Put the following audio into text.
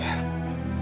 biar kamu ikut senang